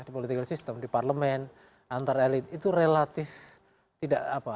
di political system di parlemen antar elit itu relatif tidak apa